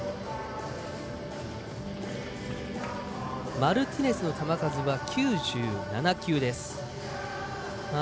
マルティネスの球数は９７球です。